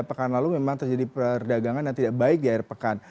pekan lalu memang terjadi perdagangan yang tidak baik di air pekan